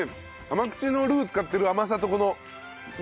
甘口のルー使ってる甘さと違いますね